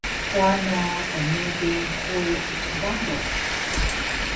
Wano bnege huwe Utux Baro